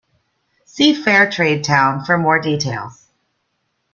See Fairtrade Town for more details.